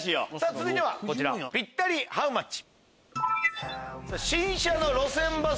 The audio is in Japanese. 続いてはこちらピッタリハウマッチ？